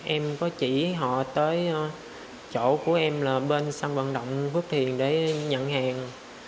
em có chỉ họ tới chỗ của em là bên sân bận động phước thiền để nhận hàng